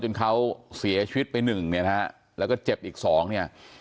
เขาเสียชีวิตไปหนึ่งเนี่ยนะฮะแล้วก็เจ็บอีกสองเนี่ย